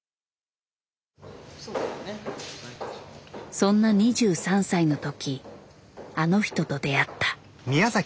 そんな２３歳の時あの人と出会った。